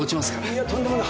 いいやとんでもない。